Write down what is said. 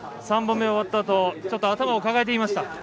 ３本目終わったあとちょっと頭を抱えていました。